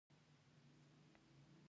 غځېدنه د څومره اوږدې کېدو معنی لري.